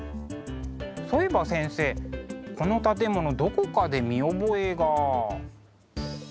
そういえば先生この建物どこかで見覚えが。